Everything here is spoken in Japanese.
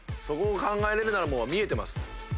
そこを考えられるならもう見えてます。